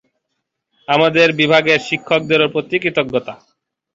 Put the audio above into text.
আমাদের বিভাগের শিক্ষকদের প্রতিও কৃতজ্ঞতা।